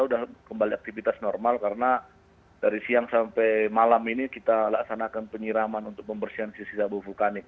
sudah kembali aktivitas normal karena dari siang sampai malam ini kita laksanakan penyiraman untuk pembersihan sisa abu vulkanik